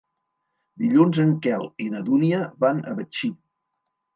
Dilluns en Quel i na Dúnia van a Betxí.